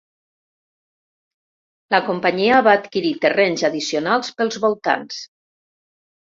La companyia va adquirir terrenys addicionals pels voltants.